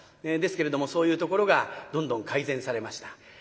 ですけれどもそういうところがどんどん改善されました。